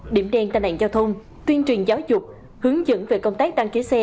điểm đen tai nạn giao thông tuyên truyền giáo dục hướng dẫn về công tác đăng ký xe